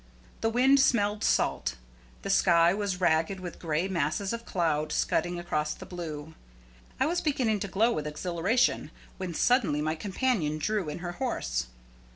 The wind smelled salt. The sky was ragged with gray masses of cloud scudding across the blue. I was beginning to glow with exhilaration, when suddenly my companion drew in her horse.